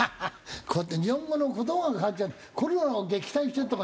こうやって日本語の言葉が変わっちゃって「コロナを撃退する」とか。